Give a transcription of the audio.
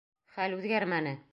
Хәл үҙгәрмәне.